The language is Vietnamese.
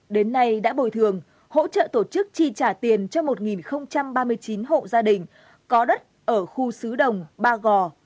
đến nay đã bồi thường hỗ trợ tổ chức chi trả tiền cho một ba mươi chín hộ gia đình có đất ở khu sứ đồng